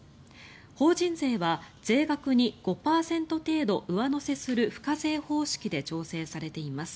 法人税は税額に５％程度上乗せする付加税方式で調整されています。